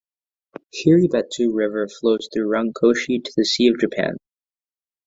Shiribetsu River flows through Rankoshi to the Sea of Japan.